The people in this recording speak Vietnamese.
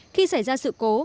khi xảy ra sự cố